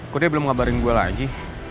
kok dia belum ngabarin gue lagi